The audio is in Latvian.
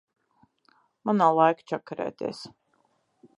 Man nav laika čakarēties.